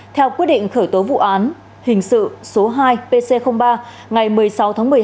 theo quyết định khởi tố vụ án hình sự số hai pc ba ngày một mươi sáu tháng hai